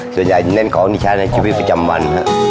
ส่วนใหญ่ก็แนนกล้องที่ใช้ในชีวิตประจำวัน